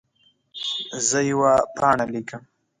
زه یوه پاڼه لیکم.